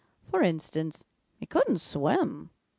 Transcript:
For instance, he couldn't swim.